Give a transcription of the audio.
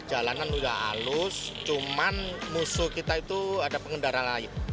jalanan sudah halus cuman musuh kita itu ada pengendara lain